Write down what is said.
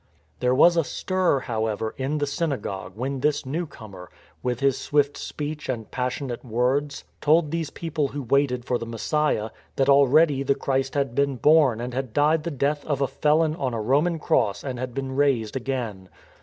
There was a stir, however, in the synagogue when this newcomer, with his swift speech and passionate words, told these people who waited for the Messiah, that already the Christ had been born and had died the death of a felon on a Roman cross and had been raised again.